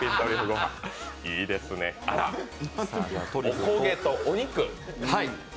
お焦げとお肉？